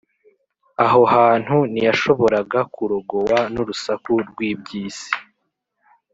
Aho hantu, ntiyashoboraga kurogowa n’urusaku rw’iby’isi